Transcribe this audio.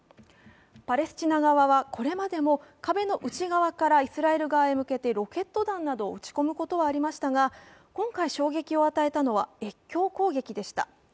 パレスチナ側はこれまでも壁の内側からイスラエル側に向けてロケット弾などを撃ち込むことはありましたが、今回、衝撃を与えたのは越境攻撃でした。